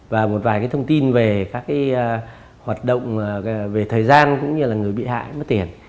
và một vài cái thông tin về các hoạt động về thời gian cũng như là người bị hại mất tiền